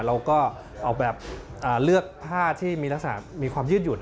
เราก็เลือกผ้าที่มีความยืดหยุ่น